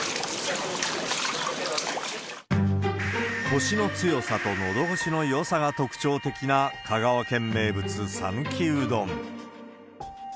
こしの強さとのどごしのよさが特徴的な香川県名物、讃岐うどん。